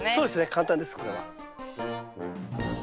簡単ですこれは。